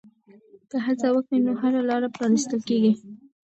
که هڅه وکړې نو هره لاره پرانیستل کېږي.